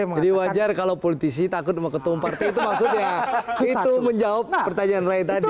jadi wajar kalau politisi takut sama ketua partai itu maksudnya itu menjawab pertanyaan rey tadi